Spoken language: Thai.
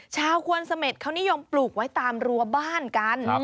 ควนเสม็ดเขานิยมปลูกไว้ตามรัวบ้านกัน